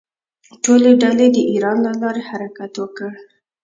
ټولې ډلې د ایران له لارې حرکت وکړ.